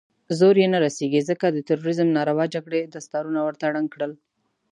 زور يې نه رسېږي، ځکه د تروريزم ناروا جګړې دستارونه ورته ړنګ کړل.